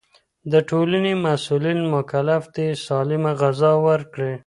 د ټولنې مسؤلين مکلف دي سالمه غذا ورکړي.